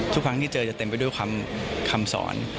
ทุกครั้งที่เจอจะเต็มไปด้วยคำสอน